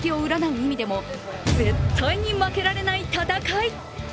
意味でも絶対に負けられない戦い。